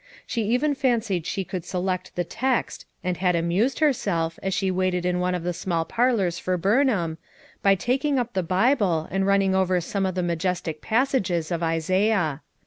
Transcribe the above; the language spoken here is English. She even fancied she could select the text, and had amused herself, as she waited in one of the small parlors for Burnham, by tak ing up the Bible and running over some of the majestic passages of Isaiah.